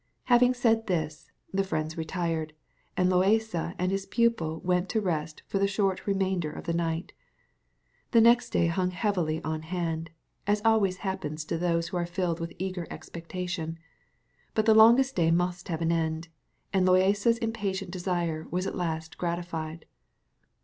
Having said this, the friends retired, and Loaysa and his pupil went to rest for the short remainder of the night. The next day hung heavily on hand, as always happens to those who are filled with eager expectation; but the longest day must have an end, and Loaysa's impatient desire was at last gratified.